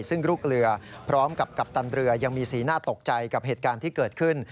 ซึ่งลูกเรือพร้อมกับกัปตันเรือยังมีสีหน้าตกใจกับเหตุการณ์ที่เกิดขึ้น